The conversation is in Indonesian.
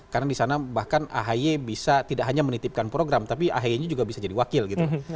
karena di sana bahkan ahy bisa tidak hanya menitipkan program tapi ahy nya juga bisa jadi wakil gitu